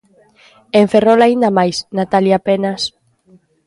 En Ferrol aínda máis, Natalia Penas...